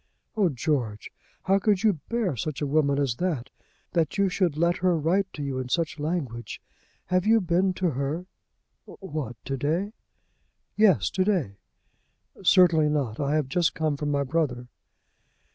"Oh, George, how could you bear such a woman as that; that you should let her write to you in such language? Have you been to her?" "What, to day?" "Yes, to day." "Certainly not. I have just come from my brother."